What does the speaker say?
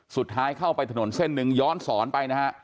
เข้าไปถนนเส้นหนึ่งย้อนสอนไปนะฮะ